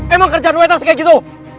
emang kerjaan lo yang harus kayak gitu